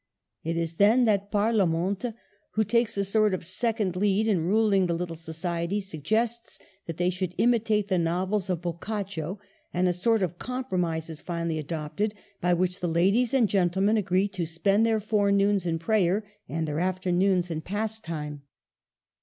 It is then that Parla mente, who takes a sort of second lead in ruling the little society, suggests that they shall imi tate the novels of Boccaccio ; and a sort of com promise is finally adopted, by which the ladies and gentlemen agree to spend their forenoons in prayer and their afternoons in pastime.